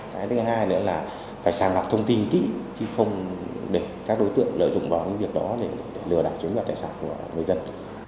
cái thứ hai nữa là phải sàng mọc thông tin kỹ chứ không để các đối tượng lợi dụng vào những việc đó để lừa đảo chứng nhận tài sản của người dân